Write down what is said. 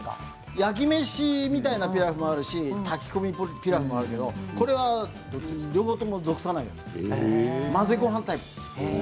焼き飯みたいなピラフもあるし炊き込みみたいなピラフもあるけどこれは両方とも属さない混ぜごはんタイプ。